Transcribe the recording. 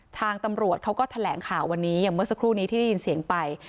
ทางตำรวจเขาก็แถลงข่าววันนี้อย่างเมื่อสักครู่นี้ที่ได้ยินเสียงไป